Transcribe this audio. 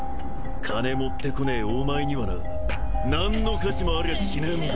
金持ってこねえお前にはな何の価値もありゃしねえんだ。